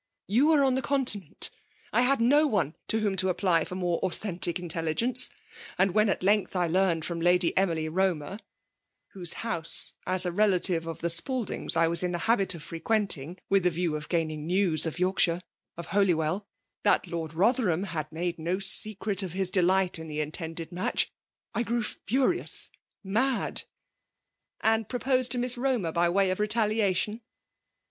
" You were on the Continent. I had no one to whom to apply for more authentic intelli gence. And when at length 1 learned from Lady Emily Romer (whose house, as a relative of the Spaldings, I was in the habit of fre % FBMAVB OOHINATJON. 203 qUeDiing, inth the view of gaining news, of ^ YorloBhire^ »of Holjwell) that Lord Botb^r ^, hium made no secret of bis delight in the inr.. tended match, I grew inrious, mad ^" ''And proposed to Miss Romcr, by way of. retaliation